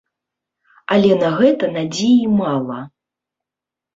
Але на гэта надзеі мала.